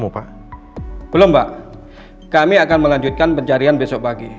pak kami akan melanjutkan pencarian besok pagi